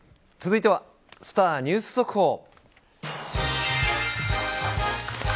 続いてはスター☆ニュース速報。